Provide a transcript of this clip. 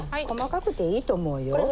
細かくていいと思うよ。